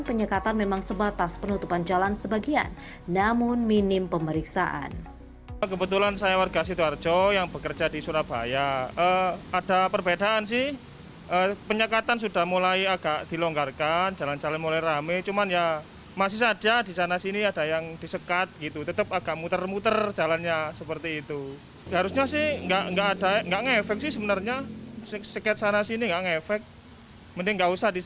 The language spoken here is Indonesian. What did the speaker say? penyekatan memang sebatas penutupan jalan sebagian namun minim pemeriksaan